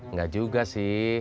nggak juga sih